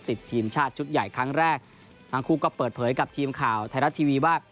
ติดทีมชาติชุดใหญ่ครั้งแรกทั้งคู่ก็เปิดเผยกับทีมข่าวไทยรัฐทีวีว่า